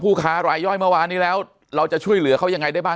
ค้ารายย่อยเมื่อวานนี้แล้วเราจะช่วยเหลือเขายังไงได้บ้าง